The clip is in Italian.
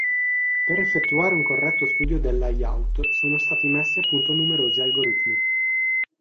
Per effettuare un corretto studio del "layout" sono stati messi a punto numerosi algoritmi.